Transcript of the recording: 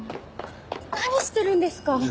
何してるんですか！